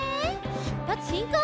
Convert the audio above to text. しゅっぱつしんこう！